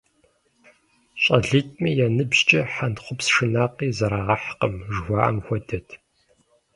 ЩӀалитӀми я ныбжькӀэ хьэнтхъупс шынакъи зэрагъэхькъым жыхуаӀэм хуэдэт.